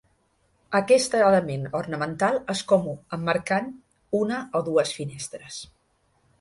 Aquest element ornamental és comú, emmarcant una o dues finestres.